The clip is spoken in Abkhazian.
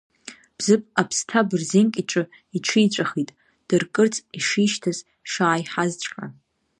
Бзыԥ аԥсҭа бырзенк иҿы иҽиҵәахит, дыркырц ишишьҭаз шааиҳазҵәҟьа.